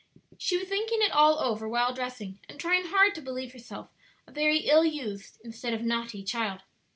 She was thinking it all over while dressing, and trying hard to believe herself a very ill used, instead of naughty, child.